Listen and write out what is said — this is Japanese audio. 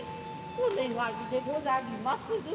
お願いでござりまする。